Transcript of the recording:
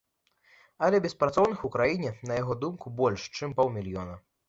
Але беспрацоўных у краіне, на яго думку, больш, чым паўмільёна.